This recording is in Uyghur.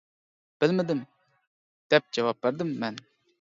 — بىلمىدىم، — دەپ جاۋاب بەردىم مەن.